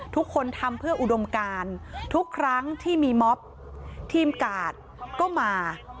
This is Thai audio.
ทุกคนทำเพื่ออุดมการทุกครั้งที่มีม็อบทีมกาดก็มา